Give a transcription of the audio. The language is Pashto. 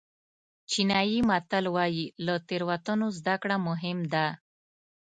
چینایي متل وایي له تېروتنو زده کړه مهم ده.